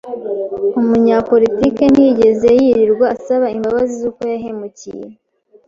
Umunyapolitike ntiyigeze yirirwa asaba imbabazi z'uko yahemukiye.